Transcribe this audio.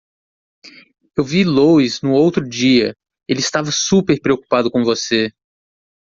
Eu vi Louis no outro dia? ele estava super preocupado com você.